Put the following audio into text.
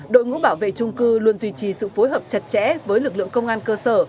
đội ngũ bảo vệ trung cư luôn duy trì sự phối hợp chặt chẽ với lực lượng công an cơ sở